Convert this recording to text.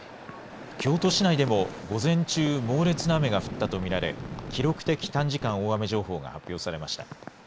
京都市内でも午前中猛烈な雨が降ったと見られ記録的短時間大雨情報が発表されました。